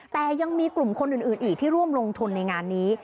แต่ยังมีกลุ่มคนอื่นอีกที่ร่วมลงทุนในงานนี้